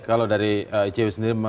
kalau dari icw sendiri